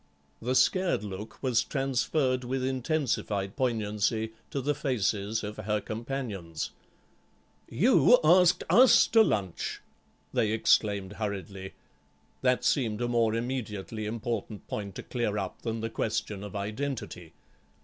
The scared look was transferred with intensified poignancy to the faces of her companions. "You asked us to lunch," they exclaimed hurriedly. That seemed a more immediately important point to clear up than the question of identity.